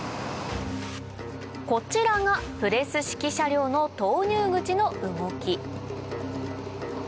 こちらがプレス式車両の投入口の動き